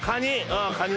カニ。